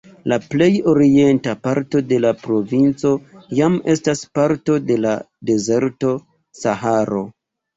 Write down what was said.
La plej orienta parto de la provinco jam estas parto de la dezerto Saharo.